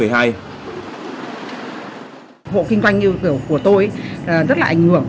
hộ kinh doanh như kiểu của tôi rất là ảnh hưởng